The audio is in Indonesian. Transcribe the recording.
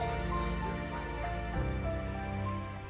kota padang jawa tenggara